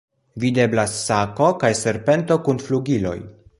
Videblas sako kaj serpento kun flugiloj.